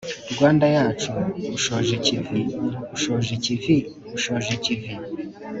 rwanda yacu ushoje ikivi , ushoje ikivi () ushoje ikivi.